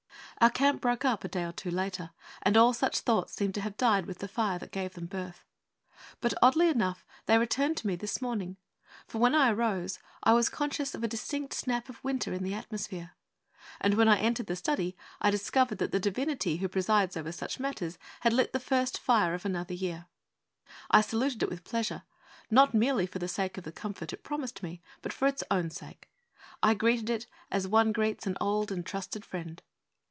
Our camp broke up a day or two later; and all such thoughts seemed to have died with the fire that gave them birth. But, oddly enough, they returned to me this morning. For, when I arose, I was conscious of a distinct snap of winter in the atmosphere; and when I entered the study I discovered that the divinity who presides over such matters had lit the first fire of another year. I saluted it with pleasure, not merely for the sake of the comfort it promised me, but for its own sake. I greeted it as one greets an old and trusted friend.